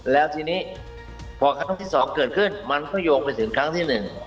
แล้วทีนี้พอครั้งที่๒เกิดขึ้นมันก็โยงไปถึงครั้งที่๑